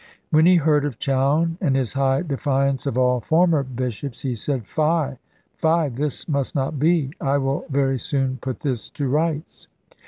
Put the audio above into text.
When he heard of Chowne, and his high defiance of all former bishops, he said, "Fie, fie! this must not be; I will very soon put this to rights."